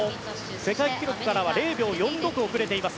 世界記録からは０秒４６遅れています。